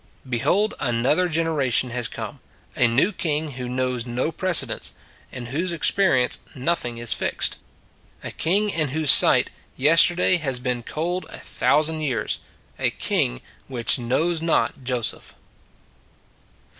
Behold another generation has come, a new king who knows no precedents, in whose experience nothing is fixed: A king in whose sight yesterday has been cold a thousand years; a king which knows not Joseph.